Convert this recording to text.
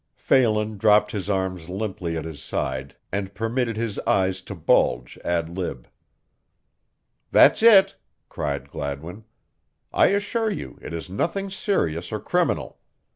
Phelan dropped his arms limply at his side and permitted his eyes to bulge ad lib. "That's it," cried Gladwin. "I assure you it is nothing serious or criminal.